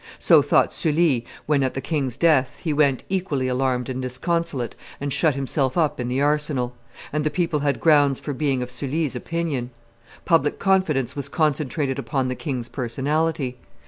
So thought Sully when, at the king's death, he went, equally alarmed and disconsolate, and shut himself up in the arsenal; and the people had grounds for being of Sully's opinion. Public confidence was concentrated upon the king's personality.